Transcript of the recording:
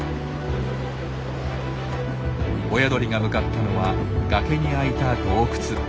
親鳥が向かったのは崖に開いた洞窟。